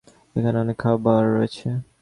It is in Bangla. এখানে অনেক খাবার রয়েছে।